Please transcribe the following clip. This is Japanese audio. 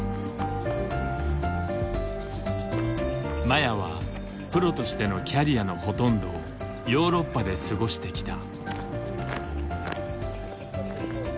麻也はプロとしてのキャリアのほとんどをヨーロッパで過ごしてきた。